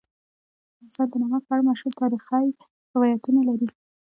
افغانستان د نمک په اړه مشهور تاریخی روایتونه لري.